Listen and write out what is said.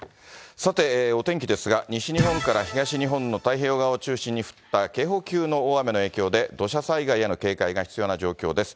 さて、お天気ですが、西日本から東日本の太平洋側を中心に降った警報級の大雨の影響で、土砂災害への警戒が必要な状況です。